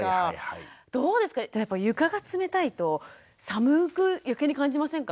どうですか床が冷たいと寒く余計に感じませんか？